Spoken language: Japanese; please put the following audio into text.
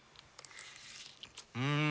うん！